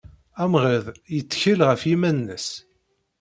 Amɣid yettkel ɣef yiman-nnes.